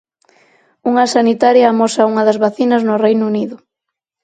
Unha sanitaria amosa unha das vacinas no Reino Unido.